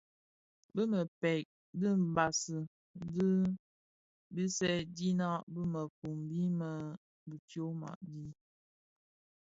Bi mpërkë dibasi di bisèèdina bi mëfombi më bi tyoma di.